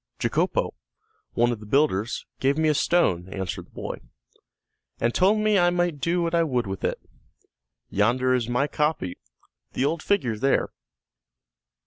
"Jacopó, one of the builders, gave me a stone," answered the boy, "and told me I might do what I would with it. Yonder is my copy, the old figure there."